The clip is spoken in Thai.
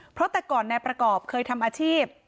เพราะแต่ก่อนนายประกอบเคยทำอาชีพ